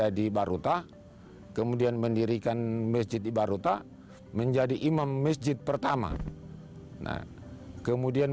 ada di baruta kemudian mendirikan mesjid di baruta menjadi imam masjid pertama kemudian